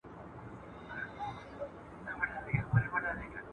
مثبت فکر راتلونکی نه خرابوي.